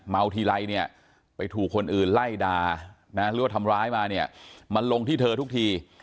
ทีไรเนี่ยไปถูกคนอื่นไล่ด่านะหรือว่าทำร้ายมาเนี่ยมันลงที่เธอทุกที